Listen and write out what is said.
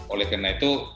oleh karena itu